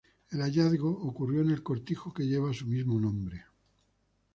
El hallazgo ocurrió en el cortijo que lleva su mismo nombre.